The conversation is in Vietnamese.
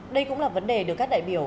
đây cũng là vấn đề được các đại biểu